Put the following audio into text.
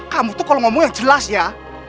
kamu tuh kalau ngomong yang jelas ya